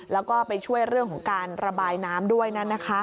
แล้วก็ไปช่วยเรื่องของการระบายน้ำด้วย